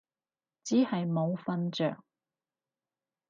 只係冇瞓着